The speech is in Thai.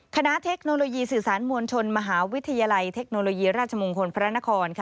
เทคโนโลยีสื่อสารมวลชนมหาวิทยาลัยเทคโนโลยีราชมงคลพระนคร